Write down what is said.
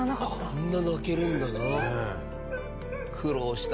あんな泣けるんだな。